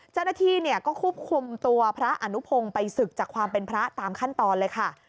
เจ้าหน้าที่ก็ควบคุมตัวพระอนุพงศ์ไปศึกจากความเป็นพระตามขั้นตอนเลยค่ะ